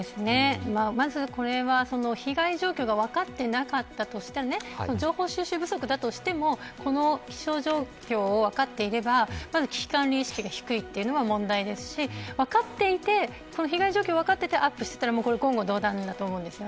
まず、これは被害状況が分かっていなかったとして情報収集不足だとしてもこの気象状況を分かっていれば危機管理意識が低いのが問題ですし被害状況を分かっていて上げていたのなら言語道断です。